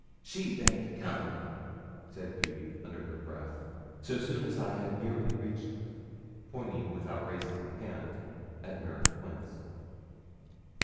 'She baint to come,' said Beauty, under her breath, so soon as I had nearly reached her, pointing without raising her hand at Mary Quince.